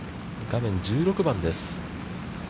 画面１６番です。